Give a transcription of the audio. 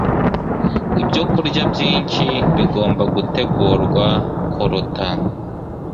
Ibyokurya byinshi bigomba gutegurwa kuruta